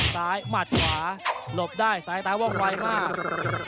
ซ้ายหมาดขวาหลบได้ซ้ายตายว่ากวายมาก